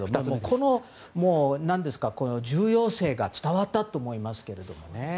この重要性が伝わったと思いますけれどもね。